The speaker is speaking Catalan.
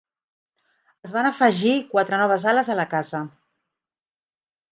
Es van afegir quatre noves ales a la casa.